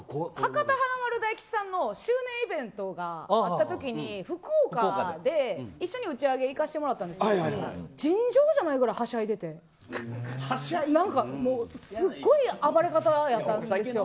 華丸大吉さんの周年イベントに行ったときに福岡で、一緒に打ち上げ行かせてもらったんですけど尋常じゃないくらいはしゃいでいてすごい暴れ方やったんです。